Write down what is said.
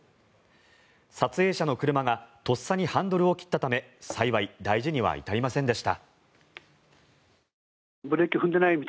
撮影者の車がとっさにハンドルを切ったため幸い大事には至りませんでした。